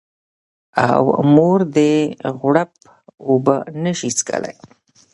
او مور دې غوړپ اوبه نه شي څښلی